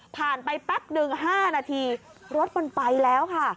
ไปแป๊บหนึ่ง๕นาทีรถมันไปแล้วค่ะ